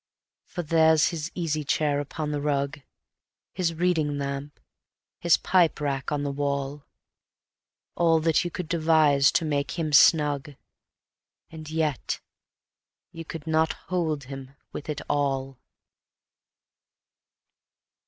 For there's his easy chair upon the rug, His reading lamp, his pipe rack on the wall, All that you could devise to make him snug And yet you could not hold him with it all.